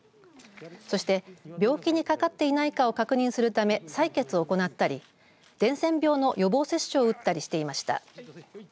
そして病気にかかっていないかを確認するため採血を行ったり伝染病の予防接種を打ったりしていました。